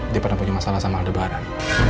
dia pernah punya masalah sama lebaran